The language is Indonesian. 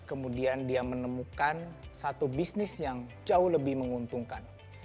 kemudian dia menemukan satu bisnis yang jauh lebih menguntungkan